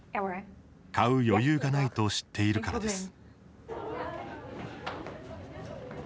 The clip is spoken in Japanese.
買う余裕がないと知っているからです。